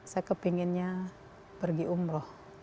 saya kepinginnya pergi umroh